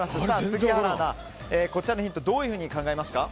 杉原アナ、こちらのヒントどういうふうに考えますか？